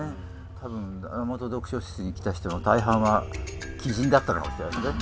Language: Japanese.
多分山本読書室に来た人の大半は奇人だったのかもしれないですね。